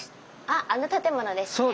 あっあの建物ですね。